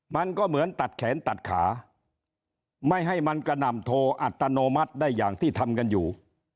มันก็เหมือนตัดแขนตัดขาไม่ให้มันกระหน่ำโทอัตโนมัติได้อย่างที่ทำกันอยู่